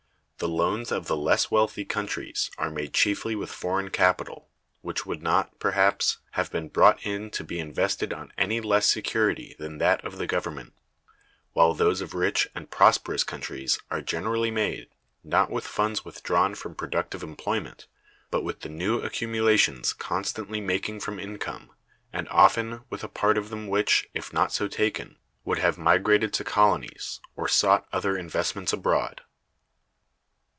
The loans of the less wealthy countries are made chiefly with foreign capital, which would not, perhaps, have been brought in to be invested on any less security than that of the Government: while those of rich and prosperous countries are generally made, not with funds withdrawn from productive employment, but with the new accumulations constantly making from income, and often with a part of them which, if not so taken, would have migrated to colonies, or sought other investments abroad.